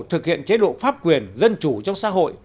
thực hiện chế độ pháp quyền dân chủ trong xã hội